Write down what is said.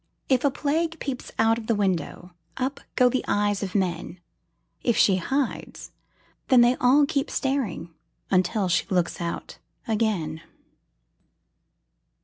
If a Plague peeps out of the window, Up go the eyes of men; If she hides, then they all keep staring Until she looks out again.